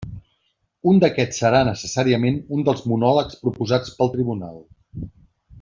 Un d'aquests serà necessàriament un dels monòlegs proposats pel tribunal.